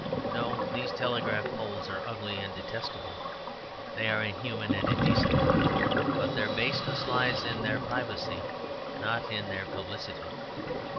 No; these telegraph poles are ugly and detestable, they are inhuman and indecent. But their baseness lies in their privacy, not in their publicity.